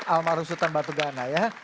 almarhum sultan batugana ya